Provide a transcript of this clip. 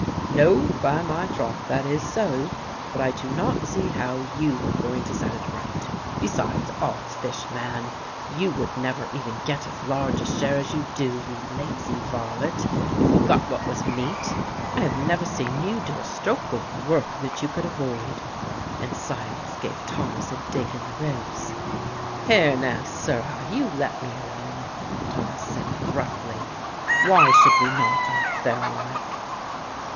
"No, by my troth, that is so; but I do not see how you are going to set it right. Besides, oddsfish, man! you would never even get as large a share as you do, you lazy varlet, if you got what was meet. I have never seen you do a stroke of work that you could avoid"; and Silas gave Thomas a dig in the ribs. "Here now, sirrah, you let me alone," Thomas said gruffly. "Why should we not all fare alike?"